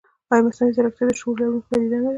ایا مصنوعي ځیرکتیا د شعور لرونکې پدیده نه ده؟